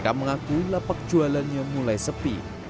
yang super rp enam puluh